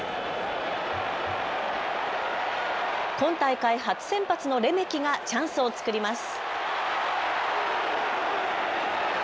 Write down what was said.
今大会、初先発のレメキがチャンスを作ります。